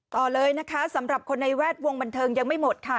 ต่อเลยนะคะสำหรับคนในแวดวงบันเทิงยังไม่หมดค่ะ